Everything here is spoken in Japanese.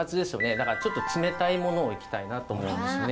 だからちょっと冷たいものをいきたいなと思うんですよね。